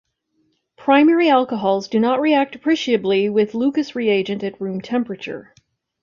Primary alcohols do not react appreciably with Lucas reagent at room temperature.